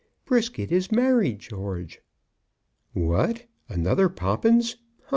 Brisket is married, George." "What! another Poppins! Ha! ha!